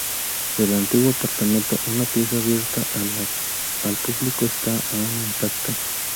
Del antiguo apartamento, una pieza abierta al público está aún intacta.